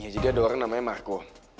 jadi ada orang namanya marco